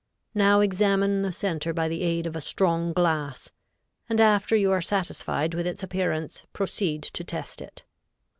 Now examine the center by the aid of a strong glass, and after you are satisfied with its appearance proceed to test it.